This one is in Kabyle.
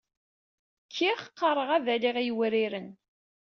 Kiɣ qqareɣ ad aliɣ l yiwriren.